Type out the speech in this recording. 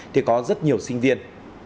thì có rất nhiều sinh viên